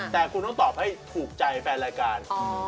แต่คุณต้องตอบให้ถูกใจแฟนรายการ